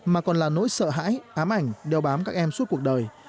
mà còn là nỗi sợ hãi ám ảnh đeo bám các em suốt cuộc đời